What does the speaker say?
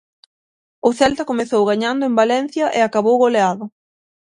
O Celta comezou gañando en Valencia e acabou goleado.